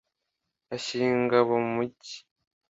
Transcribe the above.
Ashyira ingabo mu migi